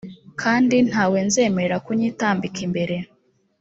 kandi nta we nzemerera kunyitambika imbere